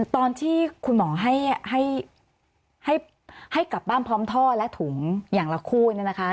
ตอนที่คุณหมอให้กลับบ้านพร้อมท่อและถุงอย่างละคู่เนี่ยนะคะ